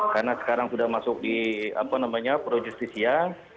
karena sekarang sudah masuk di apa namanya projustisia